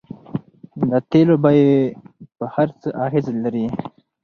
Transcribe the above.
د تیلو بیې په هر څه اغیز لري.